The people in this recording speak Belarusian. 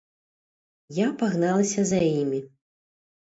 Я пагналася за імі.